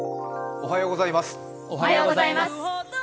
おはようございます。